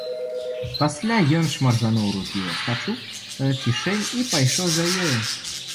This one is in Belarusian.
Пасля ён шмаргануў рукі ў астачу кішэнь і пайшоў за ёю.